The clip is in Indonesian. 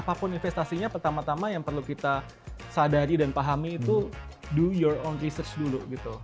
apapun investasinya pertama tama yang perlu kita sadari dan pahami itu do your on research dulu gitu